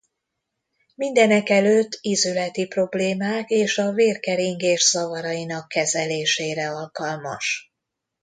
Mindenekelőtt ízületi problémák és a vérkeringés zavarainak kezelésére alkalmas.